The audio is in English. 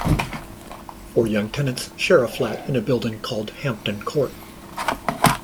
Four young tenants share a flat in a building named "Hampton Court".